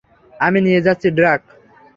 আমি নিয়ে যাচ্ছি, ড্রাক।